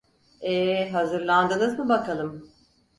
E…? Hazırlandınız mı bakalım?"